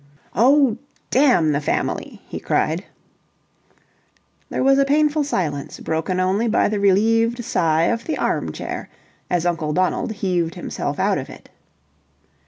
"Oh, damn the Family!" he cried. There was a painful silence, broken only by the relieved sigh of the armchair as Uncle Donald heaved himself out of it.